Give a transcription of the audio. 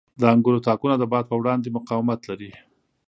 • د انګورو تاکونه د باد په وړاندې مقاومت لري.